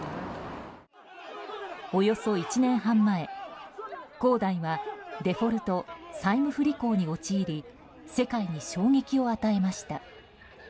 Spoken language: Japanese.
およそ１年半前、恒大はデフォルト・債務不履行に陥り世界に衝撃を与えました。